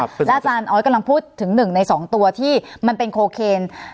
และอาจารย์ออสกำลังพูดถึง๑ใน๒ตัวที่มันเป็นโคเคน